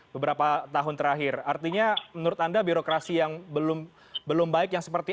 beberapa tahun terakhir artinya menurut anda birokrasi yang belum belum baik yang seperti